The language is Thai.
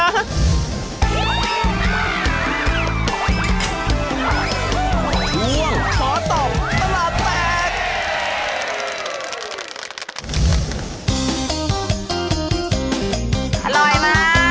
อร่อยไหม